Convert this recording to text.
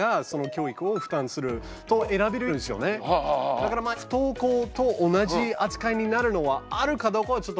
だからまあ不登校と同じ扱いになるのはあるかどうかはちょっと分かんないですけどね。